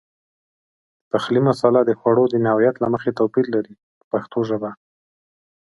د پخلي مساله د خوړو د نوعیت له مخې توپیر لري په پښتو ژبه.